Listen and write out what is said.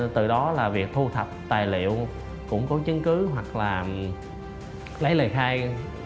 từ đó là việc thu thập tài liệu cũng có chứng cứ hoặc là lấy lời khai